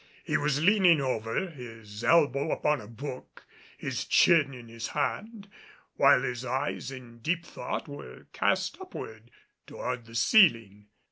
He was leaning over, his elbow upon a book, his chin in his hand, while his eyes in deep thought were cast upward toward the ceiling.